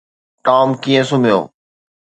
Tom ڪيئن سمهيو؟